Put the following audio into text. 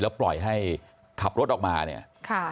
ปล่อยให้ขับรถออกมาเนี่ย